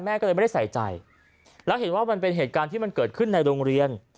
ก็เลยไม่ได้ใส่ใจแล้วเห็นว่ามันเป็นเหตุการณ์ที่มันเกิดขึ้นในโรงเรียน